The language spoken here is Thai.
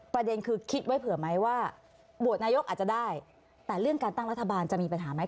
ประเด็นคือคิดไว้เผื่อไหมว่าโหวตนายกอาจจะได้แต่เรื่องการตั้งรัฐบาลจะมีปัญหาไหม